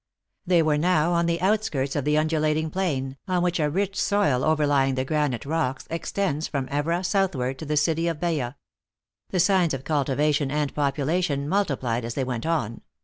They were now on the outskirts of the undulating plain, on which a rich soil overlying the granite rocks extends from Evora southward to the city of Beja. The signs of cultivation and population multi plied as they went on.